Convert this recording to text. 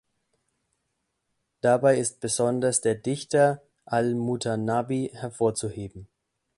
Dabei ist besonders der Dichter al-Mutanabbi hervorzuheben.